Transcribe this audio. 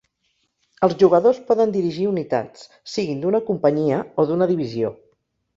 Els jugadors poden dirigir unitats, siguin d'una companyia o d'una divisió.